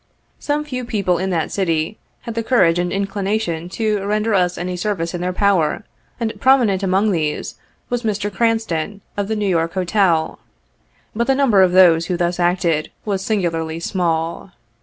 Some few people in that city, had the courage and inclina tion to render us any service in their power, and prominent among these was Mr. Cranston, of the New York Hotel ; but the number of those who thus acted was singularly small.